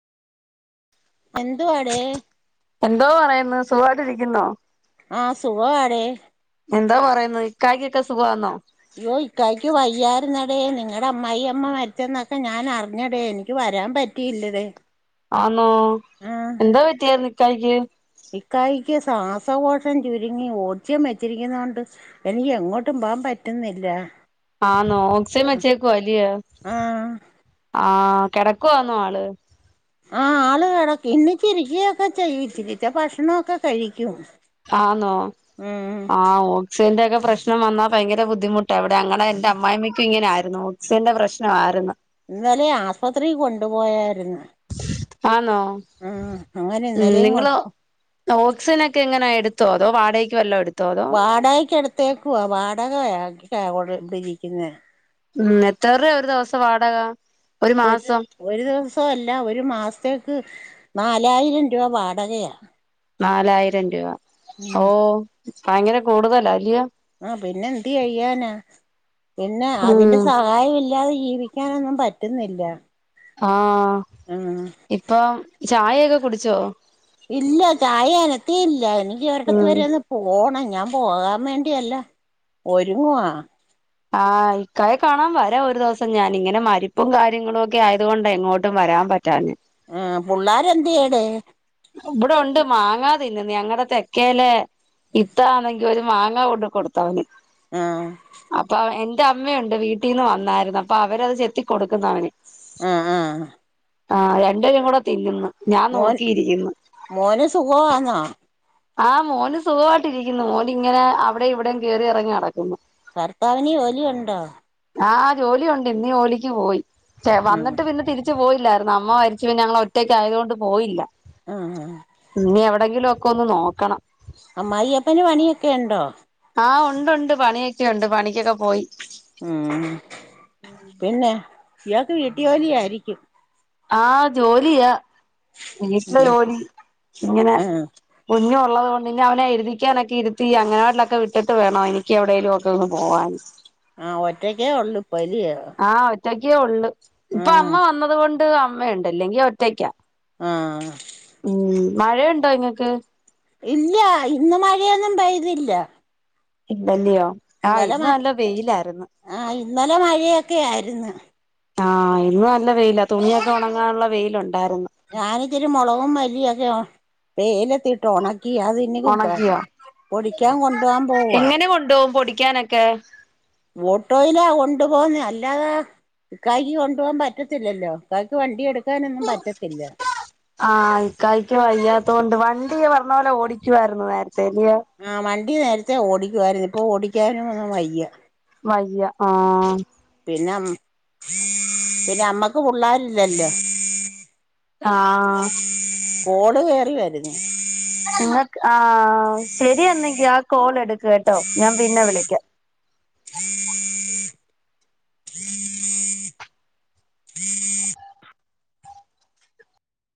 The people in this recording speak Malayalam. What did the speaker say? എന്തുവാടെ എന്തോ പറയുന്ന് സുഖവായിട്ടിരിക്കുന്നോ ആഹ് സുഖവാടീ എന്തോ പറയുന്നു ഇക്കായ്ക്കൊക്കെ സുഖവാന്നോ അയ്യോ ഇക്കായ്ക്ക് വയ്യായിരുന്നടേ നിങ്ങടമ്മായി അമ്മ മരിച്ചെന്നൊക്കെ ഞാനറിഞ്ഞടേ എനിക്ക് വരാൻ പ റ്റിയില്ല ടേ ആന്നോ.. എന്തോ പറ്റിയന്നിക്കായ്ക്ക് ഇക്കായ്ക്ക് ശ്വാസകോശം ചുരുങ്ങി ഓക്സിജൻ വെച്ചിരിക്കുന്നോണ്ട് എനിക്കെങ്ങോട്ടും പോവാൻ പറ്റുന്നില്ല ആന്നോ ഓക്സിജൻ വെച്ചേക്കുവ അല്ലെയോ ആഹ് ആഹ് കെടക്കുവാന്നോ ആള് ആഹ് ആള് കെടക്ക്‌ എണീച്ചിരിക്കയൊക്കെ ചെയ്യു. ച്ചിരിച്ചെ ഭക്ഷണൊവൊക്കെ കഴിക്കും ആന്നോ ഉം ആഹ് ഓ ക്സിജന്റെക്കെ പ്രശ്നം വന്നാ ഭയങ്കര ബുദ്ധിമുട്ട ഇവിടെ ഞങ്ങളെ ന്റെമ്മായിമ്മക്കും ഇങ്ങനായിരുന്നു, ഓക്സിജന്റെ പ്രശ്നം ആയിരുന്നു ഇന്നലെ ആസ്പത്രീ കൊണ്ടു പോയായിരുന്ന് ആന്നോ ഉം അങ്ങനെ ഉം ഇന്നലെയും കൊ നിങ്ങള് [unintelligible] ഓക്സിജനൊക്കെ എങ്ങനാ എടുത്തോ, അതോ വാടകക്ക് വല്ല എടുത്തോ അതോ വാടകക്കെടുത്തേക്കുവ വാടകയാ ക്കാ കൊട് ട്ടിരിക്കുന്നെ ഉം എത്ര രൂപ്യാ ഒരു ദിവസ്ത്തെ വാടക ഒരു ഒര് മാസം ഒരു ദിവസം അല്ല ഒരു മാസ്ത്തേക്ക് നാലായിരം രൂപ വാടകയാ നാലായിരം രൂപ, ഉം ഓഹ് ഭയങ്കര കൂടുതലാ അല്ലിയോ ആഹ് പിന്നെന്ത് ചെയ്യാനാ പിന്നെ അതിന്റെ ഉം സഹായം ഇല്ലാതെ ജീവി ക്കാനൊന്നും പറ്റുന്നില്ല ആഹ് ഉം ഇപ്പം ചായയൊക്കെ കുടിച്ചോ ഇല്ല ചായ അനത്ത ഇല്ല എനിക്ക് ഒരിടത്ത് ഉം വരെ ഒന്ന് പോണം ഞാൻ പോകാൻ വേണ്ടിയല്ല ഒരുങ്ങുവാ ആഹ് ഇക്കായെ കാണാൻ വരാം ഒരു ദിവസം ഞാൻ. ഇങ്ങനെ മരിപ്പും കാര്യങ്ങളും ഒക്കെ ആയത് കൊണ്ട എങ്ങോട്ടും വരാൻ പ റ്റാഞ്ഞെ ആഹ് പുള്ളോര എന്തെടെ ഇവിടെ ഉണ്ട് മാങ്ങാ തിന്നന്ന് ഞങ്ങടെ തെക്കേലെ ഇത്താ ആണെങ്കിൽ ഒരു മാങ്ങ കൊണ്ട് കൊടുത്തവന് ആഹ് അപ്പൊ എന്റെ അമ്മയുണ്ട് വീട്ടിൽ നിന്ന് വന്നായിരുന്നു അപ്പൊ അവരത് ചെത്തി കൊടുക്കുന്നവന് ആ ആ ആഹ് രണ്ട പേരും കൂടെ തിന്നുന്നു ഞാൻ മോൻ നോക്കിയിരിക്കുന്നു മോന് സുഖവാന്നോ ആഹ് മോന് സുഖമായിട്ട് ഇരിക്കുന്നു മോന് ഇങ്ങനെ അവിടെ ഇവിടെയും കേറി ഇറങ്ങി നടക്കുന്നു ഭർത്താവിന് ജോലിയുണ്ടോ ആഹ് ആ ജോലിയുണ്ട് ഇന്നീ ജോലിക്ക് പോയി ചെ ഉം വന്നിട്ട് പിന്നെ തിരി ച്ച് പോയില്ലായിരുന്നു അമ്മ മരിച്ചു പിന്ന ഞങ്ങ ഒറ്റക്കാ യത് കൊണ്ട് പോയില്ല ആഹ് ഇനി എവിടെങ്കിലും ഒക്കെ ഒന്ന് നോക്കണം ആമ്മായി അപ്പന് പണിയൊക്കെ ഒണ്ടോ ആഹ് ഉണ്ട് ഉണ്ട് പണിയൊക്കെണ്ട് പണിക്കൊക്കെ പോയി ഉമ് പിന്നെ ഇയാക്ക് വീട്ട് ജോലിയായിരിക്കും ആഹ് ജോലിയാ വീട്ടിലെ ജോലി ഇങ്ങനെ ആഹ് കുഞ്ഞുള്ളള്ളത് കൊണ്ട് ഇനി അവനെ എഴുതിക്കാനൊക്കെ ഇരുത്തി അങ്ങനാട്ടിലൊക്കെ വിട്ടിട്ട് വേണം എനിക്ക് എവിടെേലുമോക്കെ ഒന്ന് പോവാൻ ആഹ് ഒറ്റക്കേ ഉള്ളു പ്പലിയോ ആഹ് ഒറ്റക്കേ ഉള്ളു ഇപ്പൊ അമ്മ വന്നത് കൊണ്ട് അമ്മയുണ്ട് അല്ലെങ്കി ഒറ്റക്കാ ആഹ് ഉംമ് മഴയുണ്ടോ ങ്ങൾക്ക് ഇല്ല ഇന്ന് മഴയൊന്നും പെയ്തില്ല ഇന്തല്ലയോ ഇന്നലെ മ ആഹ് ഇന്നലെ മഴയൊക്കെ ആയിരുന്നു ആഹ് ഇന്ന് നല്ല വെയില തുണിയൊക്കെ ഉണങ്ങാനുള്ള വെയിലുണ്ടായിരുന്നു ഞാനിച്ചിരി മോളകും മല്ലിയൊക്കെ ഒ വെയ്ലത്തിട്ട് ഉണക്കി അത് ഇനി ഉണക്കിയോ പൊടിക്കാൻ കൊണ്ടുപോകാൻ പോവാ എങ്ങനെ കൊണ്ടോകും പൊടിക്കാനൊക്കെ ഓട്ടോയിലാ കൊണ്ടു പോന്നെ അല്ലാതെ ഇക്കയ്ക് കൊണ്ടുപോവാൻ പറ്റത്തില്ലല്ലോ കായ്ക്ക് വണ്ടി എടുക്കാനൊന്നും പറ്റത്തില്ല ആഹ് ഇക്കയ്ക് വയ്യാത്തൊണ്ട് വണ്ടി പറഞ്ഞ പോലെ ഓടിക്കുവായിരുന്നു നേരത്തെ ല്യ ആഹ് വണ്ടി നേരത്തെ ഓടിക്കുവായിരുന്നു ഇപ്പൊ ഓടിക്കാനും ഒന്നും വയ്യ വയ്യ ആഹ് പിന്നമ്മ് പിന്നമ്മക്ക് പുള്ളാരില്ലല്ലോ ആഹ് കോള് കേറി വരുന്നു നിങ്ങക് ആഹ് ശരിയന്നെങ്കി ആ കോളെടുക്ക് കേട്ടോ ഞാൻ പിന്നെ വിളിക്കാം